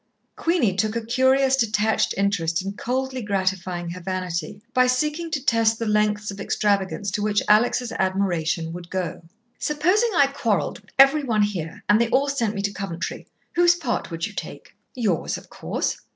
Queenie took a curious, detached interest in coldly gratifying her vanity, by seeking to test the lengths of extravagance to which Alex' admiration would go. "Supposing I quarrelled with every one here, and they all sent me to Coventry whose part would you take?" "Yours, of course."